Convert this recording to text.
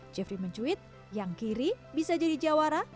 jeffrey mencuit yang kiri bisa jadi jawara